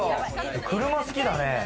車好きだね。